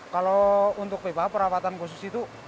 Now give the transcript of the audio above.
kalau untuk pipa perawatan khusus itu